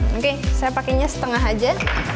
oke saya pakainya setengah aja